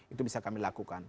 itu bisa kami lakukan